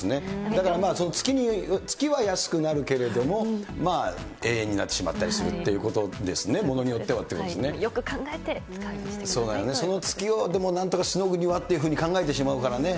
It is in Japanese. だから、月は安くなるけども、永遠になってしまったりするということですね、ものによってはとよく考えて使うようにしてくそうだよね、その月をなんとかしのぐにはっていうふうに考えてしまうからね。